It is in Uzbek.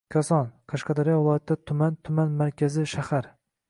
Koson – Qashqadaryo viloyatida tuman, tuman markazi, shahar.